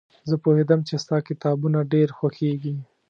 زه پوهېدم چې ستا کتابونه ډېر خوښېږي.